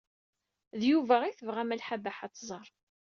D Yuba ay tebɣa Malḥa Baḥa ad tẓer.